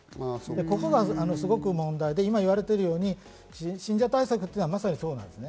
ここがすごく問題で、今言われているように、信者対策というのは、まさにそうです。